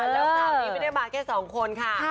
แล้วคราวนี้ไม่ได้มาแค่๒คนค่ะ